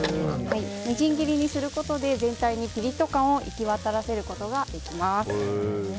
みじん切りにすることで全体にピリッと感を行き渡らせることができます。